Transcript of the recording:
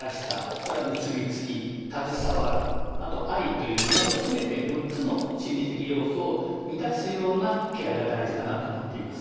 というのを含めて６つの心理的要素を満たすようなケアが大事かなと思っています。